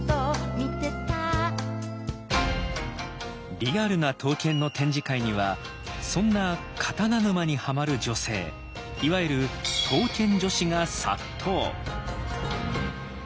リアルな刀剣の展示会にはそんな「刀沼」にはまる女性いわゆる刀剣女子が殺到。